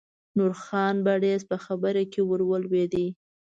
نورخان بړیڅ په خبره کې ور ولوېد.